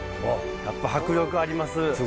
やっぱ迫力あります。